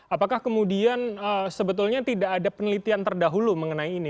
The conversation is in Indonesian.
apakah kemudian sebetulnya tidak ada penelitian terdahulu mengenai ini